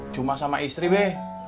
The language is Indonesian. cuma sama istri be